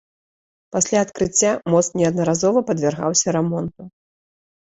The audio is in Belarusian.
Пасля адкрыцця мост неаднаразова падвяргаўся рамонту.